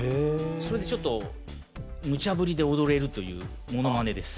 それでちょっとむちゃ振りで踊れるというものまねです